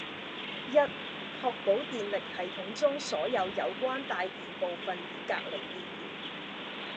（一）確保電力系統中所有有關帶電部分已隔離電源